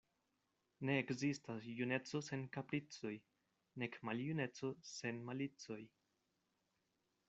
Ne ekzistas juneco sen kapricoj, nek maljuneco sen malicoj.